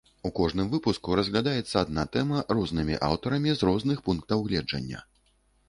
У кожным выпуску разглядаецца адна тэма рознымі аўтарамі з розных пунктаў гледжання.